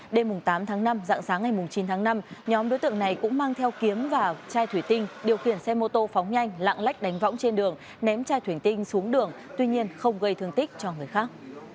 đêm tám tháng năm dạng sáng ngày chín tháng năm nhóm đối tượng này cũng mang theo kiếm và chai thủy tinh điều khiển xe mô tô phóng nhanh lạng lách đánh võng trên đường ném chai thủy tinh xuống đường tuy nhiên không gây thương tích cho người khác